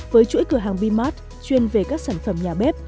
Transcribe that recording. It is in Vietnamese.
với chuỗi cửa hàng bmart chuyên về các sản phẩm nhà bếp